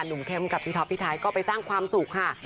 เข้มกับพี่ท็อปพี่ไทยก็ไปสร้างความสุขค่ะ